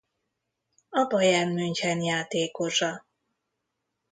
A Bayern München játékosa.